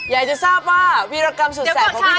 อยากจะทราบว่าวีรกรรมสุดแสบของพี่